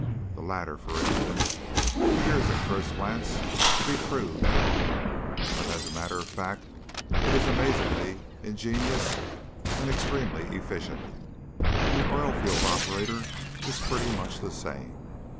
The latter, for instance, appears at first glance to be crude and awkward, but as a matter of fact it is amazingly ingenious and extremely efficient, and your oil field operator is pretty much the same.